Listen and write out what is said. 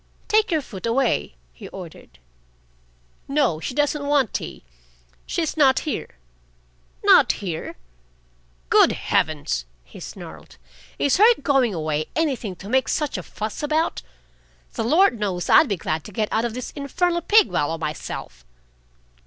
"Take your foot away!" he ordered. "No. She doesn't want tea. She's not here." "Not here!" "Good heavens!" he snarled. "Is her going away anything to make such a fuss about? The Lord knows I'd be glad to get out of this infernal pig wallow myself."